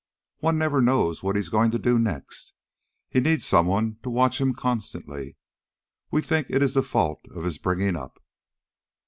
"One never knows what he's going to do next. He needs some one to watch him constantly. We think it is the fault of his bringing up."